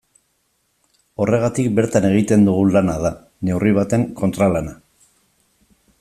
Horregatik bertan egiten dugun lana da, neurri batean, kontralana.